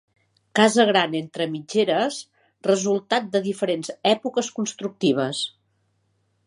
Casa gran entre mitgeres, resultat de diferents èpoques constructives.